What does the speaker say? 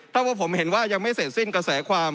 ถ้าว่าผมเห็นว่ายังไม่เสร็จสิ้นกระแสความ